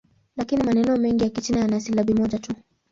Lakini maneno mengi ya Kichina yana silabi moja tu.